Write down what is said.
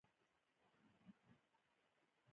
فاریاب د افغانانو ژوند اغېزمن کوي.